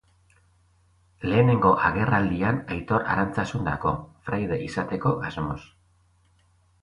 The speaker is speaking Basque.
Lehenengo agerraldian Aitor Arantzazun dago, fraide izateko asmoz.